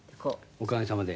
おかげさまで。